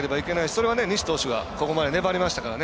それは西投手がここまで粘りましたから。